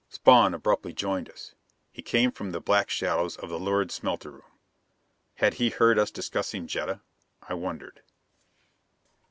Spawn abruptly joined us! He came from the black shadows of the lurid smelter room. Had he heard us discussing Jetta? I wondered.